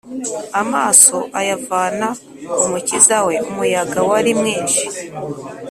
amaso ayavana ku mukiza we umuyaga wari mwinshi